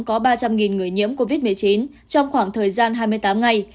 có ba trăm linh người nhiễm covid một mươi chín trong khoảng thời gian hai mươi tám ngày